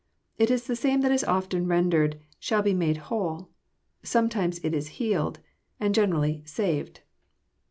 It is the same that is often rendered '* shall be made whole." Some times it is healed," and generally " saved."